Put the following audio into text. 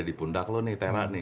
ada di pundak lo nih tena nih